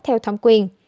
theo thẩm quyền